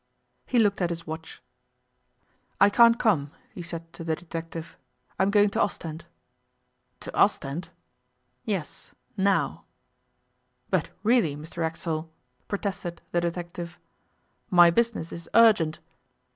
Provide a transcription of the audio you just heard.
He looked at his watch. 'I can't come,' he said to the detective. I'm going to Ostend.' 'To Ostend?' 'Yes, now.' 'But really, Mr Racksole,' protested the detective. 'My business is urgent.